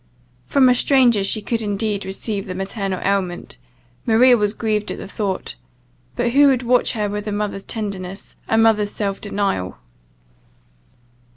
From a stranger she could indeed receive the maternal aliment, Maria was grieved at the thought but who would watch her with a mother's tenderness, a mother's self denial?